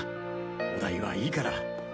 お代はいいから。